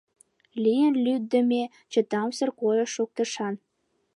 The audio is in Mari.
Лийын лӱддымӧ-чытамсыр койыш-шоктышан: